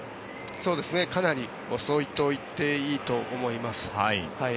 かなり遅いと言っていいと思います。